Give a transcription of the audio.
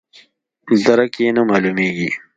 درک یې نه معلومیږي.